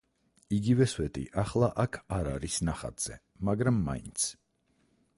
იგივე სვეტი ახლა აქ არ არის ნახატზე, მაგრამ მაინც.